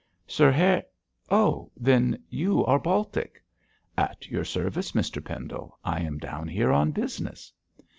'Sir Har oh, then you are Baltic!' 'At your service, Mr Pendle. I am down here on business.'